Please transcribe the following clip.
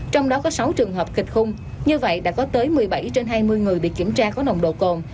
trong đó có sáu trường hợp kịch khung như vậy đã có tới một mươi bảy trên hai mươi người bị kiểm tra có nồng độ cồn